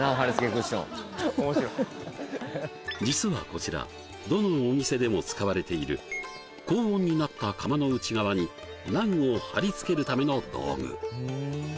クッション・面白い実はこちらどのお店でも使われている高温になった窯の内側にナンを貼り付けるための道具